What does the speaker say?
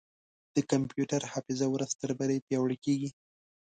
د کمپیوټر حافظه ورځ تر بلې پیاوړې کېږي.